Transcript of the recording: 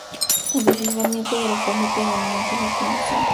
El deslizamiento es la forma predominante de locomoción.